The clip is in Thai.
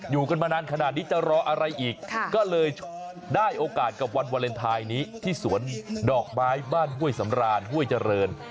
อยู่กันมานานขนาดนี้จะรออะไรอีกก็เลยได้โอกาสกับวันวาเลนไทยนี้ที่สวนดอกไม้บ้านห้วยสำรานห้วยเจริญ